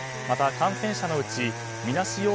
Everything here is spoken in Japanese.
また感染者のうちみなし